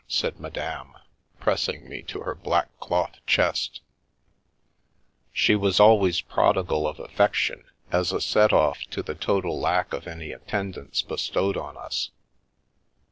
" said Madame, pressing me to her black cloth chest She was always prodigal of affection as a set off to the total lack of any attendance bestowed on us.